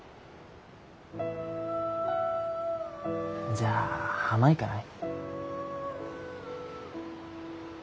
じゃあ浜行かない？